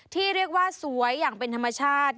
ที่เรียกว่าสวยอย่างเป็นธรรมชาติ